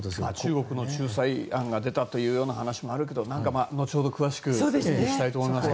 中国の仲裁案が出たという話もあるけど後ほど詳しく整理したいと思います。